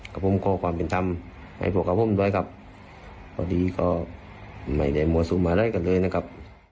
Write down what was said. ก็ผมขอความเป็นธรรมให้พวกกับผมด้วยครับพอดีก็ไม่ได้มั่วสุมอะไรกันเลยนะครับ